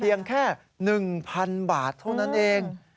แค่๑๐๐๐บาทเท่านั้นเอง